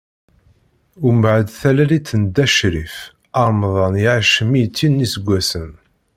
Mbeɛd talalit n Dda Crif, Ramḍan iɛac mitin n iseggasen.